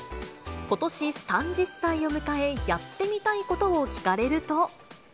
ことし３０歳を迎え、やってみたいことを聞かれると。